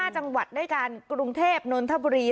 ๕จังหวัดด้วยกันกรุงเทพนนทบุรี